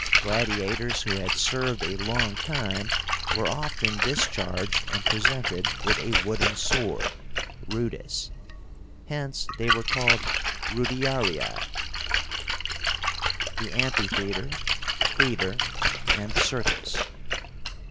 Gladiators who had served a long time, were often discharged and presented with a wooden sword (rudis), Hence they were called rudiarii. THE AMPHITHEATRE, THEATRE, AND CIRCUS.